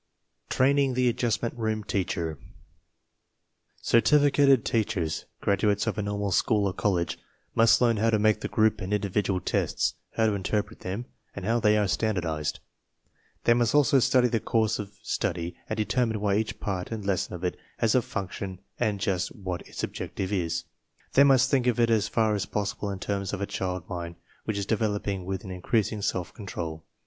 TRAINING THE ADJUSTMENT ROOM TEACHER Certificated teachers (graduates of a normal school or college) must learn how to make the group and indi vidual tests, how to interpret them, and how they are standardized. They must also study the course of study and determine why each part and lesson of it has a function and just what its objective is. They must think of it as far as possible in terms of a child mind which is developing with an increasing self control.